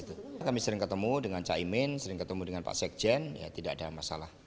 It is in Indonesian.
kami sering ketemu dengan caimin sering ketemu dengan pak sekjen ya tidak ada masalah